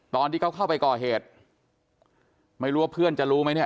ตอนที่เขาเข้าไปก่อเหตุไม่รู้ว่าเพื่อนจะรู้ไหมเนี่ย